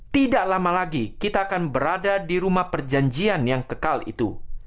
tidak lama lagi kita akan berada di rumah perjanjian yang kekal itu